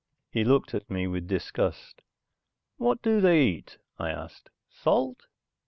He looked at me with disgust. "What do they eat?" I asked. "Salt?"